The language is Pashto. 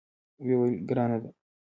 ویې ویل: ګرانه ده.